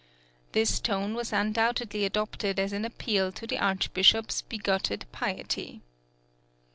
This tone was undoubtedly adopted as an appeal to the Archbishop's bigoted piety.